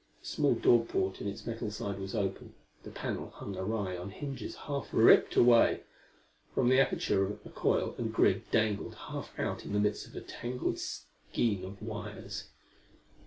A small door porte in its metal side was open; the panel hung awry on hinges half ripped away. From the aperture a coil and grid dangled half out in the midst of a tangled skein of wires.